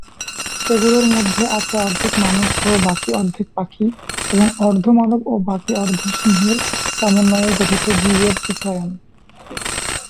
সেগুলোর মধ্যে আছে অর্ধেক মানুষ ও বাকি অর্ধেক পাখি এবং অর্ধ মানব ও বাকি অর্ধ সিংহের সমন্বয়ে গঠিত জীবের চিত্রায়ন।